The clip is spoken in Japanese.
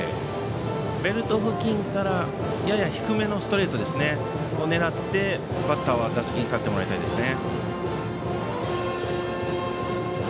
ベルト付近からやや低めのストレートを狙ってバッターは打席に立ってもらいたいですね。